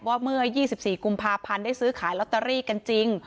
ว่าเมื่อ๒๔กุมภาพันธ์ได้ซื้อขายลอตเตอรี่กันจริง